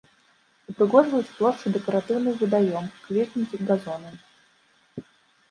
Упрыгожваюць плошчу дэкаратыўны вадаём, кветнікі, газоны.